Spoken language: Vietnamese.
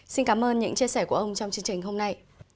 xin cảm ơn những chia sẻ của ông trong chương trình hôm nay